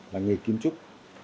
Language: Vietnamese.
là nghề kiến trúc